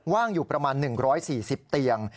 ว่างอยู่ประมาณ๑๔๐เตียง